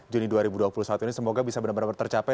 juni dua ribu dua puluh satu ini semoga bisa benar benar tercapai